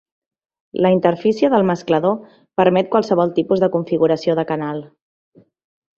La interfície del mesclador permet qualsevol tipus de configuració de canal.